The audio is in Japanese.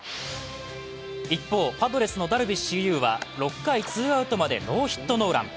一方、パドレスのダルビッシュ有は６回ツーアウトまでノーヒットノーラン。